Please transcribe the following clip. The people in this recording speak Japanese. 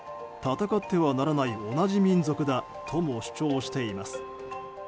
戦ってはならない同じ民族だとも主張しています。